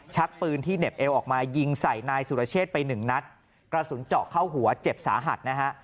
ชักปืนที่เหน็บเอวออกมายิงใส่นายสุรเชษไปหนึ่งนัดกระสุนเจาะเข้าหัวเจ็บสาหัสนะฮะ